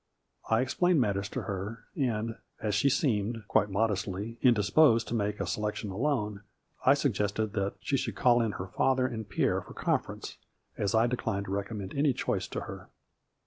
I explained matters to her, and, as she seemed, quite modestly, in disposed to make a selection alone, I suggested that she should call in her father and Pierre for conference, as I declined to recommend any choice to her.